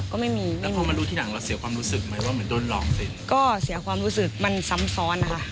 ก็เสียความรู้สึกมันซ้ำซ้อนนะคะ